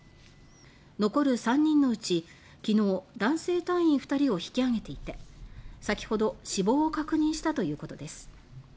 残る３人のうち昨日男性隊員２人を引きあげていて先ほど死亡を確認したということです。